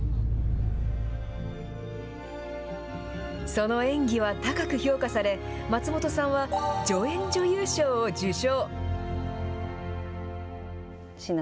その演技は高く評価され、松本さんは助演女優賞を受賞。